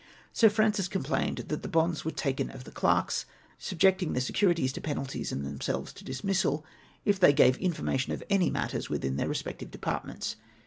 Sir Francis complained that bonds were taken of the clerks, subjecting their secu rities to penalties and themselves to dismissal if they gave information of any matters within their respec tive departments.